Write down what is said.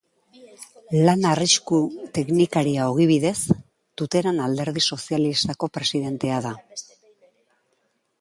Lan-arrisku teknikaria ogibidez, Tuteran alderdi sozialistako presidentea da.